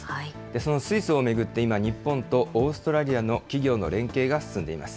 その水素を巡って今、日本とオーストラリアの企業の連携が進んでいます。